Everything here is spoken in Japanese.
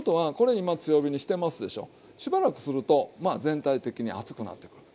しばらくすると全体的に熱くなってくる。